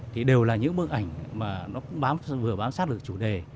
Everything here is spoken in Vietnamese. thì đều là những bức ảnh mà nó cũng vừa bám sát được chủ đề